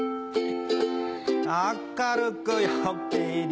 明るく陽気に